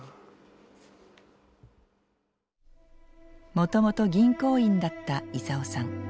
もともと銀行員だった功さん。